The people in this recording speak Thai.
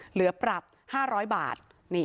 เหลือปรับ๕๐๐บาท